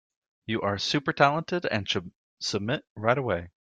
You are super talented and should submit right away.